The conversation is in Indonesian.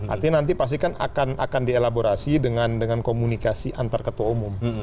artinya nanti pasti kan akan dielaborasi dengan komunikasi antar ketua umum